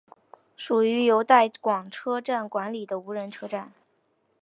属于由带广车站管理的无人车站。